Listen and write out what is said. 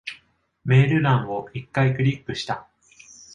メール欄を一回クリックした。